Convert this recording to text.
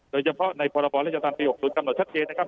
โดยเฉพาะในปรบอร์โศตรภรรย์คมต่อชะเกดนะครับ